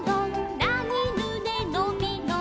「なにぬねのびのび」